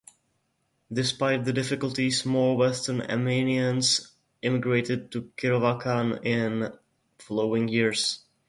Despite the difficulties more Western Armenians immigrated to Kirovakan in following years.